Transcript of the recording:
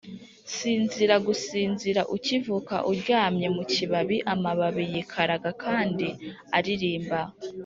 sinzira gusinzira ukivuka uryamye mu kibabi-amababi yikaraga kandi aririmba